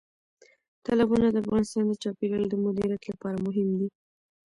تالابونه د افغانستان د چاپیریال د مدیریت لپاره مهم دي.